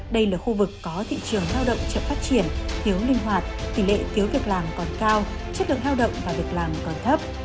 đây là khu vực có thị trường lao động chậm phát triển thiếu linh hoạt tỷ lệ thiếu việc làm còn cao chất lượng hao động và việc làm còn thấp